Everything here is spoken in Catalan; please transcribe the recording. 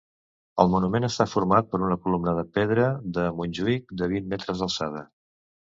El monument està format per una columna de pedra de Montjuïc de vint metres d'alçada.